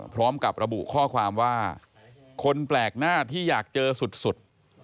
พร้อมกับระบุข้อความว่าคนแปลกหน้าที่อยากเจอสุด